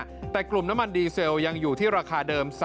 โทษภาพชาวนี้ก็จะได้ราคาใหม่